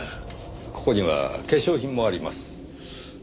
ここには化粧品もあります。